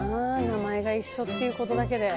名前が一緒っていうことだけで。